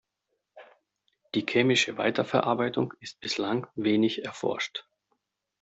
Die chemische Weiterverarbeitung ist bislang wenig erforscht.